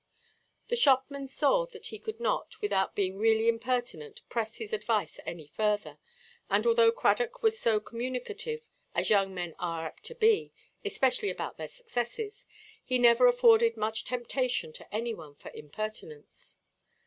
The shopman saw that he could not, without being really impertinent, press his advice any further; and, although Cradock was so communicative, as young men are apt to be, especially about their successes, he never afforded much temptation to any one for impertinence.